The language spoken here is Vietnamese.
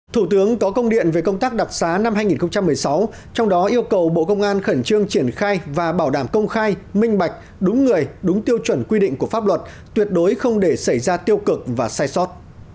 thủ tướng có công điện về công tác đặc xá năm hai nghìn một mươi sáu trong đó yêu cầu bộ công an khẩn trương triển khai và bảo đảm công khai minh bạch đúng người đúng tiêu chuẩn quy định của pháp luật tuyệt đối không để xảy ra tiêu cực và sai sót